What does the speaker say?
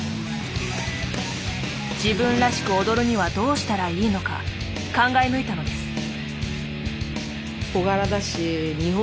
自分らしく踊るにはどうしたらいいのか考え抜いたのです。